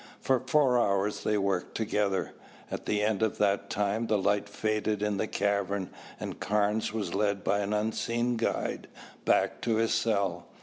For four hours they worked together. At the end of that time the light faded in the cavern and Carnes was led by an unseen guide back to his cell.